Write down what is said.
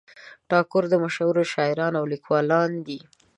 ټاګور مشهور شاعر او لیکوال دی.